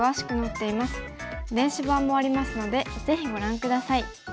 電子版もありますのでぜひご覧下さい。